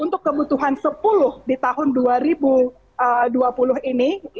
untuk kebutuhan sepuluh di tahun dua ribu dua puluh ini